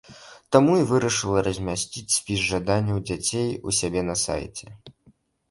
Таму і вырашыла размясціць спіс жаданняў дзяцей у сябе на сайце.